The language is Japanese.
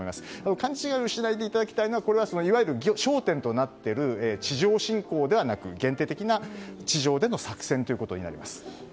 勘違いしないでいただきたいのはこれは焦点となっている地上侵攻ではなく限定的な地上での作戦となります。